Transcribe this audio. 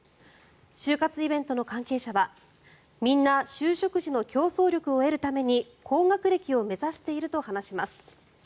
就活イベントの関係者はみんな就職時の競争力を得るために高学歴を目指していると話します。